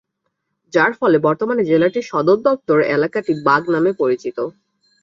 যার ফলে, বর্তমানে জেলাটির সদরদপ্তর এলাকাটি "বাগ" নামে পরিচিত।